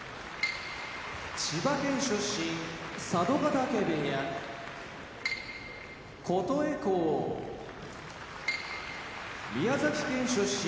千葉県出身佐渡ヶ嶽部屋琴恵光宮崎県出身